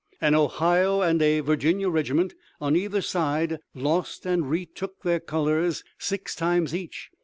An Ohio and a Virginia regiment on either side lost and retook their colors six times each.